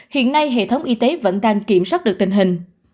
hiện nay hệ thống y tế vẫn đang kiểm soát được tình hình